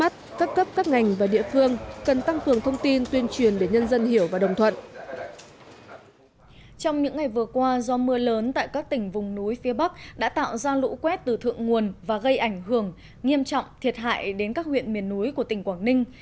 trong những ngày vừa qua do mưa lớn tại các tỉnh vùng núi phía bắc đã tạo ra lũ quét từ thượng nguồn và gây ảnh hưởng nghiêm trọng thiệt hại đến các huyện miền núi của tỉnh quảng ninh